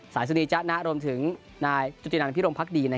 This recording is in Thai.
สายสุนีจ๊ะนะรวมถึงนายจุธินันพิรมพักดี